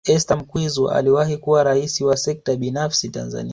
Esther Mkwizu aliwahi kuwa Rais wa Sekta Binafsi Tanzania